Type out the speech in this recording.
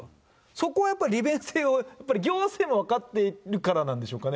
そこはやっぱり、利便性を、やっぱり行政も分かってるからなんでしょうかね。